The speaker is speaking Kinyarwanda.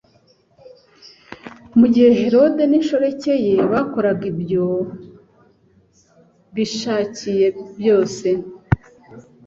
mu gihe Herode n'inshoreke ye bakoraga ibyo bishakiye byose,